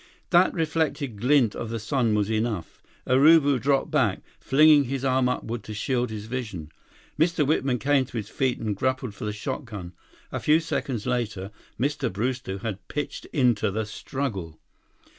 That reflected glint of the sun was enough. Urubu dropped back, flinging his arm upward to shield his vision. Mr. Whitman came to his feet and grappled for the shotgun. A few seconds later, Mr. Brewster had pitched into the struggle.